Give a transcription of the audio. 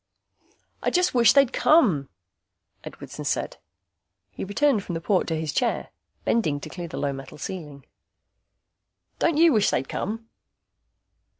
"I just wish they'd come," Edwardson said. He returned from the port to his chair, bending to clear the low metal ceiling. "Don't you wish they'd come?"